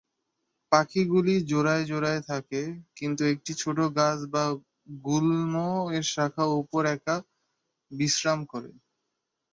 পাখি গুলি জোড়ায় জোড়ায় থাকে কিন্তু একটি ছোট গাছ বা গুল্ম এর শাখা উপর একা বিশ্রাম করে।